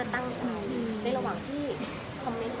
ในระหว่างที่คอมเม้นต์อื่นเขาก็จะมีการให้ความต้องใจ